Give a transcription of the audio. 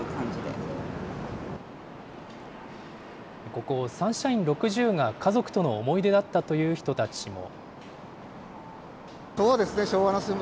ここ、サンシャイン６０が家族との思い出だったという人たちも。